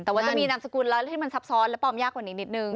แต่ว่าจะมีนามสกุลแล้วให้มันซับซ้อนและปลอมยากกว่านี้นิดนึง